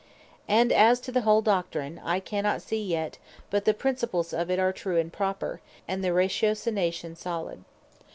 And as to the whole Doctrine, I see not yet, but the principles of it are true and proper; and the Ratiocination solid.